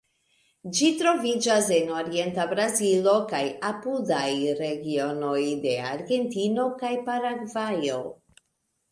Ĝi troviĝas en orienta Brazilo kaj apudaj regionoj de Argentino kaj Paragvajo.